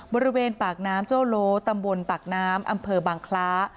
บริเวณปากน้ำเจ้าโลตำบลปากน้ำอำเภอบางคล้า